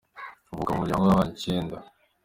Mvuka mu muryango w'abana icyenda.